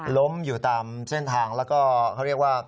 ล้มอยู่ตามเส้นทางแล้วก็เขาเรียกว่า